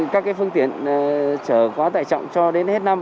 các phương tiện trở quá tải trọng cho đến hết năm